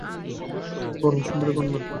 –সেই পরমাসুন্দরী কন্যা!